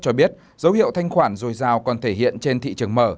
cho biết dấu hiệu thanh khoản dồi dào còn thể hiện trên thị trường mở